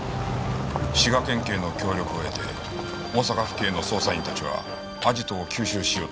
滋賀県警の協力を得て大阪府警の捜査員たちはアジトを急襲しようとした。